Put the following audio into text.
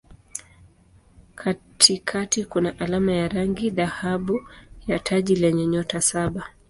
Katikati kuna alama ya rangi dhahabu ya taji lenye nyota saba.